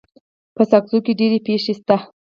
په ساکزو کي ډيري پښي سته.